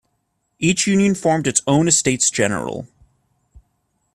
Each union formed its own Estates General.